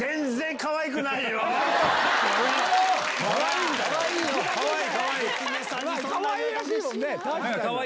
かわいらしいもんね。